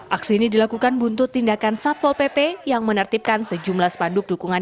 aksi ini dilakukan buntut tindakan satpol pp yang menertibkan sejumlah spanduk dukungan